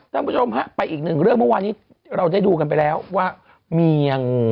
ท่านผู้ชมฮะไปอีกหนึ่งเรื่องเมื่อวานนี้เราได้ดูกันไปแล้วว่ามีอย่าง